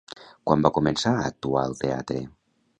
Quan va començar a actuar al teatre?